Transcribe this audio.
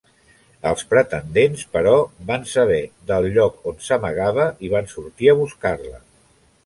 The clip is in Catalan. Els pretendents, però, van saber del lloc on s'amagava i van sortir a buscar-la.